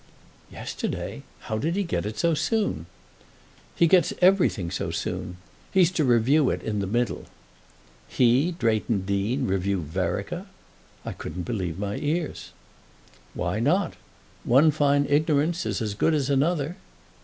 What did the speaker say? "Yesterday? How did he get it so soon?" "He gets everything so soon! He's to review it in The Middle." "He—Drayton Deane—review Vereker?" I couldn't believe my ears. "'Why not? One fine ignorance is as good as another."